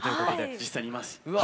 実際にいます。